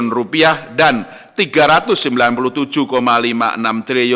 yang terdiri dari rp tujuh puluh lima delapan puluh enam triliun